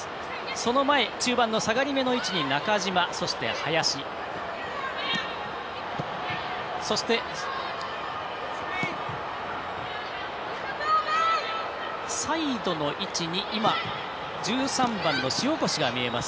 その前、中盤の下がりめの位置に中島、そして林そして、サイドの位置に１３番の塩越がいます。